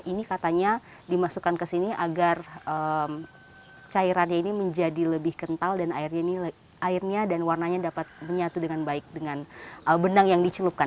ini katanya dimasukkan ke sini agar cairannya ini menjadi lebih kental dan airnya dan warnanya dapat menyatu dengan baik dengan benang yang dicelupkan